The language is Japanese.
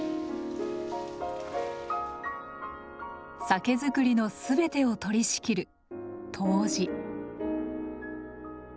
酒造りのすべてを取り仕切る杜氏。